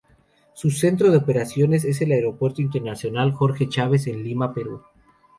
Su centro de operaciones es el Aeropuerto Internacional Jorge Chávez en Lima, Perú.